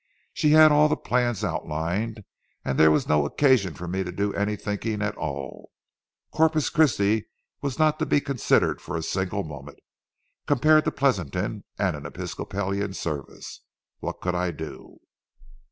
She had all the plans outlined, and there was no occasion for me to do any thinking at all. Corpus Christi was not to be considered for a single moment, compared to Pleasanton and an Episcopalian service. What could I do?